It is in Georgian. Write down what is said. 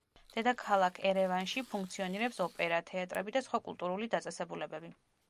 დედაქალაქ ერევანში ფუნქციონირებს ოპერა, თეატრები და სხვა კულტურული დაწესებულებები.